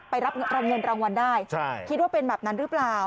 ไปรับเงินรางวัลได้คิดว่าเป็นแบบนั้นหรือเปล่า